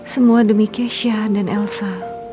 semua demi kesha dan elsa